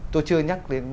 tôi chưa nhắc đến